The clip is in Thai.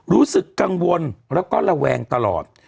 รู้สึกกังวลแล้วก็ระแวงตลอด